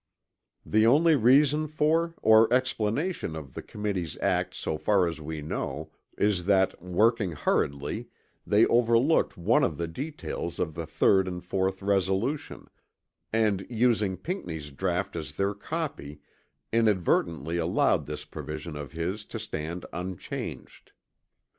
The only reason for or explanation of the Committee's act so far as we know is that working hurriedly, they overlooked one of the details of the 3d and 4th resolution, and, using Pinckney's draught as their copy, inadvertently allowed this provision of his to stand unchanged.